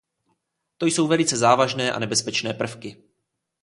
To jsou velice závažné a nebezpečné prvky.